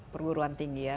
perguruan tinggi ya